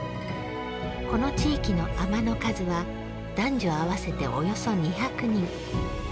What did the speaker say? この地域のあまの数は男女合わせておよそ２００人。